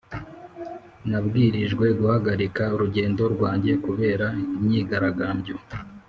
nabwirijwe guhagarika urugendo rwanjye kubera imyigaragambyo.